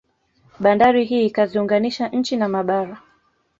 Bandari hii ikaziunganisha nchi na mabara